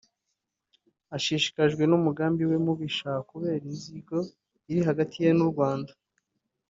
Ashishikajwe n’umugambi we mubisha kubera inzigo iri hagati ye n’U Rwanda